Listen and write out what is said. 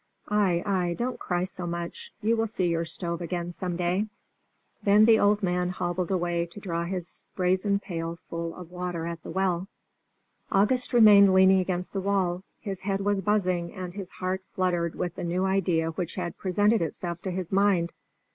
Ay, ay, don't cry so much; you will see your stove again some day." Then the old man hobbled away to draw his brazen pail full of water at the well. August remained leaning against the wall; his head was buzzing and his heart fluttering with the new idea which had presented itself to his mind.